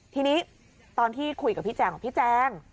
ทีนี้ตอนที่คุยกับพี่แจงบอกพี่แจง